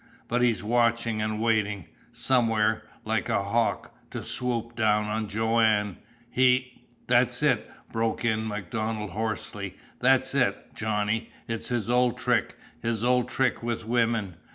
But he's watching, and waiting somewhere like a hawk, to swoop down on Joanne! He " "That's it!" broke in MacDonald hoarsely. "That's it, Johnny! It's his old trick his old trick with women.